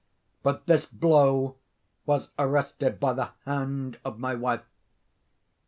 But this blow was arrested by the hand of my wife.